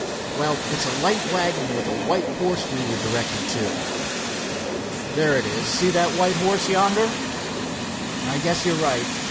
"Well, it's a light wagon with a white horse we were directed to." "There it is—see that white horse yonder?" "I guess you're right.